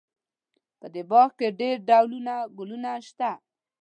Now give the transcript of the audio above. په دې باغ کې ډېر ډولونه ګلونه شته